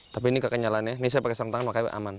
tapi ini kekenyalannya misi pakai tangan makanya aman